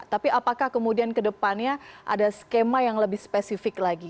tapi apakah kemudian ke depannya ada skema yang lebih spesifik lagi